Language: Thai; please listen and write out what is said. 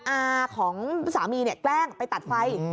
อาของสามีแกล้งไปตัดไฟ